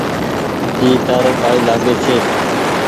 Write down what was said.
اي تآرو ڪآئي لآگي ڇي۔